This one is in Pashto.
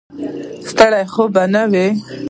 ستړی خو به نه یې.